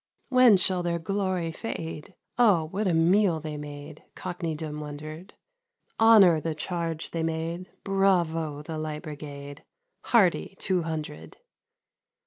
'73 When shall their glory fade ? O, what a meal they made ! Cockneydom wondered. Honour the Charge they made— ISravo the Light Brigade ! Hearty Two Hundred